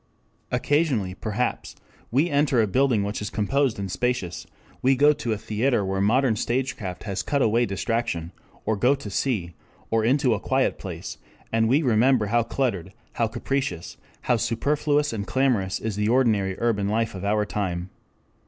Occasionally perhaps we enter a building which is composed and spacious; we go to a theatre where modern stagecraft has cut away distraction, or go to sea, or into a quiet place, and we remember how cluttered, how capricious, how superfluous and clamorous is the ordinary urban life of our time.